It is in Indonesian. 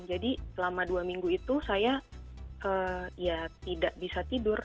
jadi selama dua minggu itu saya ya tidak bisa tidur